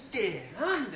何で？